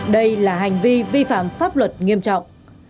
đây là hành vi vi phạm pháp luật nghiêm trọng